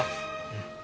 うん。